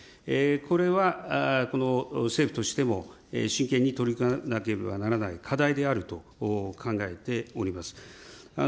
これはこの政府としても、真剣に取り組まなければならない課題であると考えております。